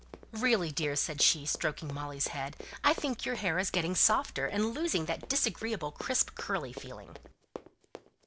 "Really, dear!" said she, stroking Molly's head, "I think your hair is getting softer, and losing that disagreeable crisp curly feeling."